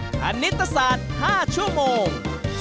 คณิตศาสตร์๕ชั่วโมง